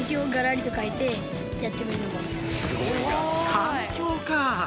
環境かぁ！